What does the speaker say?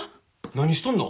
何しとんの？